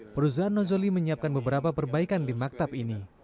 perusahaan nozoli menyiapkan beberapa perbaikan di maktab ini